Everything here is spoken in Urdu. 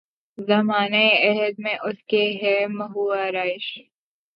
زمانہ عہد میں اس کے ہے محو آرایش